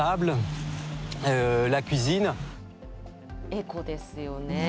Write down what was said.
エコですよね。